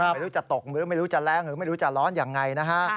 ไม่รู้จะตกหรือไม่รู้จะแรงหรือไม่รู้จะร้อนยังไงนะฮะ